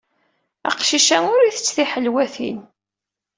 Aqcic-a ur ittett tiḥelwatin.